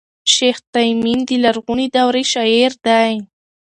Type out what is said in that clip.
شېخ تیمن د لرغوني دورې شاعر دﺉ.